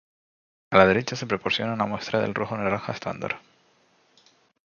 A la derecha se proporciona una muestra del rojo naranja estándar.